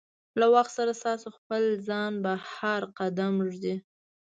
له وخت سره ستاسو خپل ځان بهر قدم ږدي.